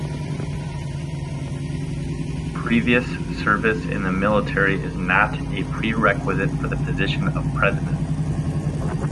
Previous service in the military is not a prerequisite for the position of president.